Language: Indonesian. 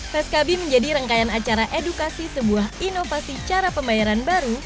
feskabi menjadi rangkaian acara edukasi sebuah inovasi cara pembayaran baru